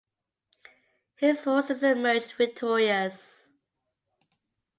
His forces emerged victorious.